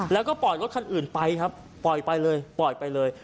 แล้วก็ปล่อยรถคันอื่นไปครับปล่อยไปเลยปล่อยไปเลย